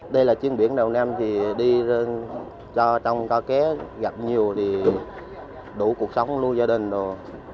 đây là chuyến biển đầu năm thì đi trong cao ké gặp nhiều thì đủ cuộc sống nuôi gia đình rồi